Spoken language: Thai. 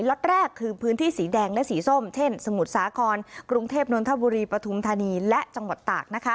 ็ตแรกคือพื้นที่สีแดงและสีส้มเช่นสมุทรสาครกรุงเทพนนทบุรีปฐุมธานีและจังหวัดตาก